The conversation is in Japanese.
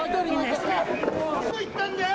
どこ行ったんだよ！